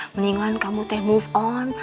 mendingan kamu teh move on